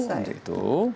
nah untuk itu